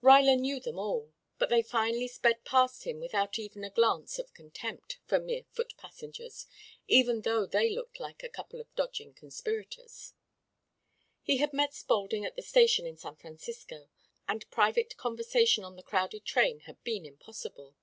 Ruyler knew them all, but they finally sped past him without even a glance of contempt for mere foot passengers, even though they looked like a couple of dodging conspirators. He had met Spaulding at the station in San Francisco, and private conversation on the crowded train had been impossible.